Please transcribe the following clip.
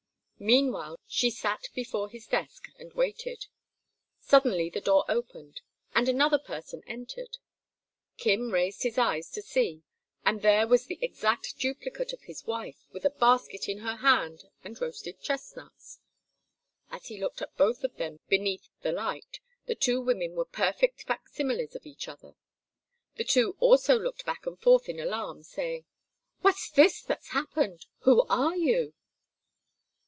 Meanwhile she sat before his desk and waited. Suddenly the door opened, and another person entered. Kim raised his eyes to see, and there was the exact duplicate of his wife, with a basket in her hand and roasted chestnuts. As he looked at both of them beneath the light the two women were perfect facsimiles of each other. The two also looked back and forth in alarm, saying, "What's this that's happened? Who are you?"